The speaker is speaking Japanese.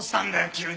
急に！